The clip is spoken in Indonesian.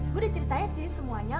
gue udah ceritain sih semuanya